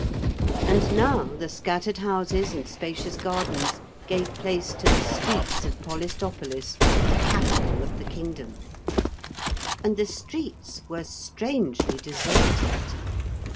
And now the scattered houses and spacious gardens gave place to the streets of Polistopolis, the capital of the kingdom. And the streets were strangely deserted.